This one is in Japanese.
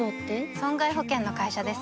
損害保険の会社です